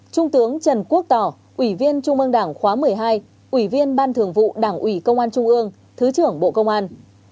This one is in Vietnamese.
trung tướng trần quốc tỏ ủy viên trung ương đảng khóa một mươi hai ủy viên ban thường vụ đảng ủy công an trung ương thứ trưởng bộ công an